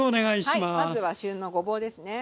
まずは旬のごぼうですね。